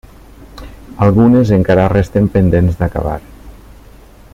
Algunes encara resten pendents d'acabar.